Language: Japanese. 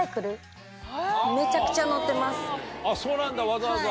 そうなんだわざわざ。